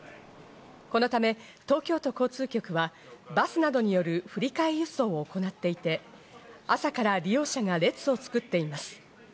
このため東京都交通局はバスなどによる振替輸送を行っていて、朝から利用者が列を作っています。